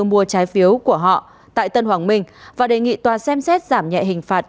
mua trái phiếu của họ tại tân hoàng minh và đề nghị tòa xem xét giảm nhẹ hình phạt